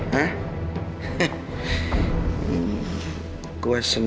gua senang ga ada disini semuanya